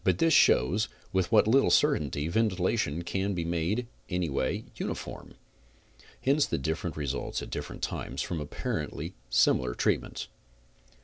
This but shows with what little certainty ventilation can be made anyway uniform. Hence the different results at different times from apparently similar treatments.